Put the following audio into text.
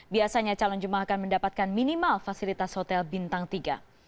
biasanya calon jemaah akan mendapatkan minimal fasilitas hotel bintang tiga